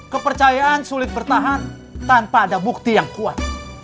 kepercayaan sulit bertahan tanpa ada bukti yang kuat